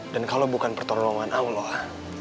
dan kalau bukan pertolongan allah